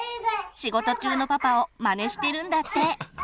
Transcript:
仕事中のパパをまねしてるんだって。